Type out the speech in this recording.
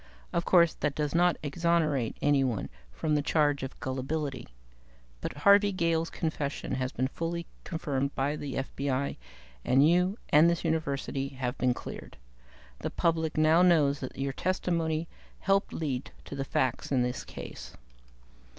"Of course, that does not exonerate anyone from the charge of gullibility. But Harvey Gale's confession has been fully confirmed by the FBI, and you and this University have been cleared. The public knows now that your testimony helped lead to the facts in the case.